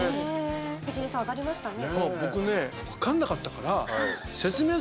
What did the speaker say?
関根さん、当たりましたね。